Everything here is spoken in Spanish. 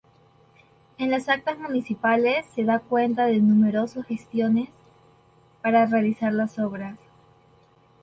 En las Actas Municipales se da cuenta de numerosos gestiones para realizar las obras.